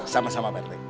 sama sama pak rt